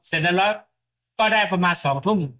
เสร็จแล้วก็ได้ประมาณ๒ทุ่ม